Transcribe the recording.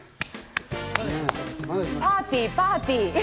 パーティー、パーティー！